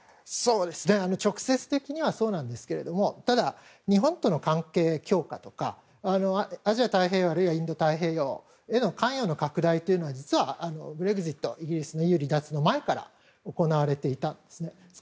直接的にはそうなんですけれどもただ、日本との関係強化とかアジア太平洋あるいはインド太平洋への関与の拡大は実は、ブレグジットイギリスのＥＵ離脱の前から行われていたんですね。